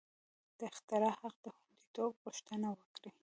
د اختراع حق د خوندیتوب غوښتنه وکړي.